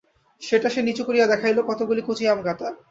সেটা সে নিচু করিয়া দেখাইল, কতকগুলি কচি আম কাটা।